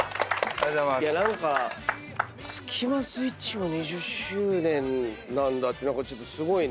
何かスキマスイッチも２０周年なんだってちょっとすごいね。